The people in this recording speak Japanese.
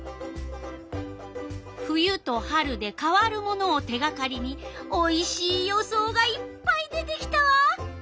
冬と春で変わるものを手がかりにおいしい予想がいっぱい出てきたわ。